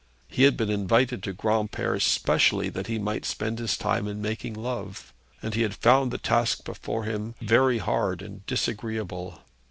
He had been invited over to Granpere specially that he might spend his time in making love, and he had found the task before him very hard and disagreeable.